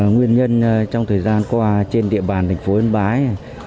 nguyên nhân trong thời gian qua trên địa bàn tp yên bái